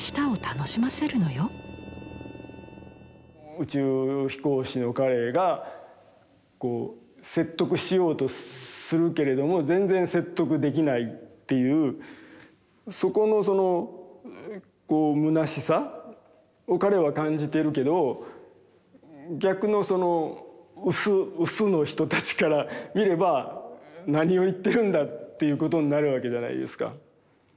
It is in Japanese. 宇宙飛行士の彼が説得しようとするけれども全然説得できないっていうそこのむなしさを彼は感じているけど逆のそのウスの人たちから見れば何を言っているんだっていうことになるわけじゃないですか。